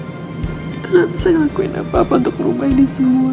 kita nggak bisa lakuin apa apa untuk merubah ini semua